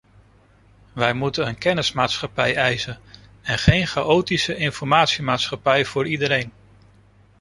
Wij moeten een kennismaatschappij eisen en geen chaotische informatiemaatschappij voor iedereen.